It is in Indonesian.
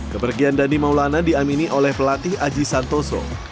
kebergian dandi maulana diamini oleh pelatih aji santoso